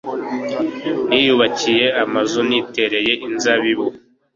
niyubakiye amazu, nitereye inzabibu